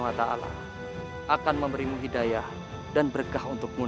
semoga allah swt akan memberimu hidayah dan berkah untukmu